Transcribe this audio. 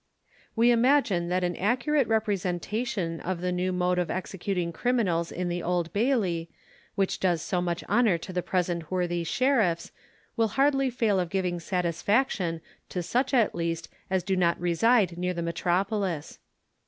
_ We imagine that an accurate representation of the new mode of executing criminals in the Old Bailey, which does so much honour to the present worthy Sheriffs, will hardly fail of giving satisfaction to such, at least, as do not reside near the metropolis.